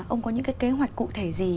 ông có những cái kế hoạch cụ thể gì